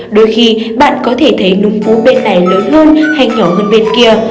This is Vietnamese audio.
đôi khi bạn có thể thấy nung vú bên này lớn hơn hay nhỏ hơn bên kia